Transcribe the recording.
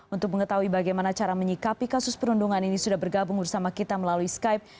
untuk mengetahui bagaimana cara menyikapi kasus perundungan ini sudah bergabung bersama kita melalui skype